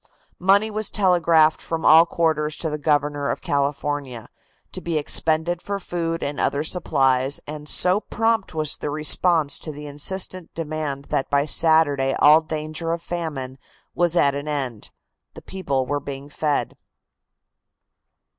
Money was telegraphed from all quarters to the Governor of California, to be expended for food and other supplies, and so prompt was the response to the insistent demand that by Saturday all danger of famine was at an end; the people were being fed.